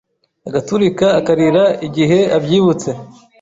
agaturika akarira igihe abyibutse